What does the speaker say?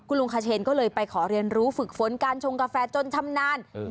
คุณลุงคเชนก็เลยไปขอเรียนรู้ฝึกฝนการชงกาแฟจนชำนาญ